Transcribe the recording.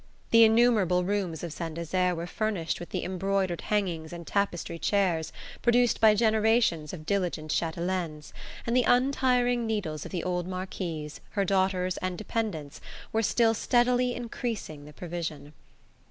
The innumerable rooms of Saint Desert were furnished with the embroidered hangings and tapestry chairs produced by generations of diligent chatelaines, and the untiring needles of the old Marquise, her daughters and dependents were still steadily increasing the provision.